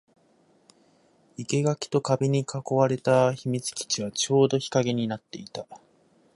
生垣と壁に囲われた秘密基地はちょうど日陰になっていた